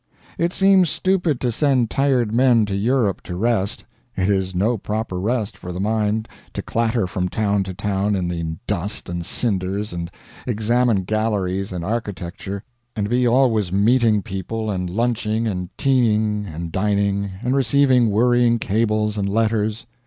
It seems stupid to send tired men to Europe to rest. It is no proper rest for the mind to clatter from town to town in the dust and cinders, and examine galleries and architecture, and be always meeting people and lunching and teaing and dining, and receiving worrying cables and letters.